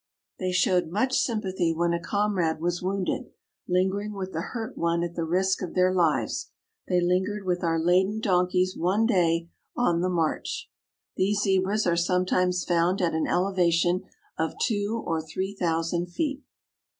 "They showed much sympathy when a comrade was wounded, lingering with the hurt one at the risk of their lives; they lingered with our laden donkeys one day on the march." These Zebras are sometimes found at an elevation of two or three thousand feet.